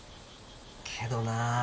けどなぁ